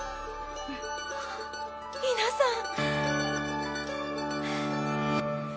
皆さん！